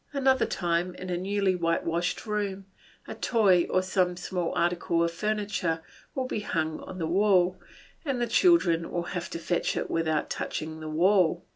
Another time in a newly whitewashed room, a toy or some small article of furniture would be hung on the wall and the children would have to fetch it without touching the wall.